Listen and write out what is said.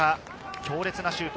強烈なシュート。